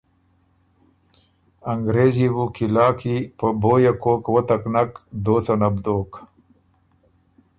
انګرېز يې بُو قلعه کی په بویه کوک وتک نک دوڅنه بو دوک